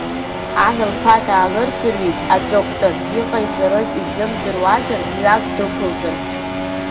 Ан лԥа даалырӡырҩит аҵыхәтәан, иҟаиҵарыз изымдыруазар, мҩак дықәылҵарц.